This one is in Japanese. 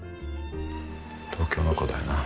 東京の子だな。